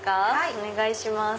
お願いします。